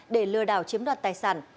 để lừa đảo chiếm đoạt tài sản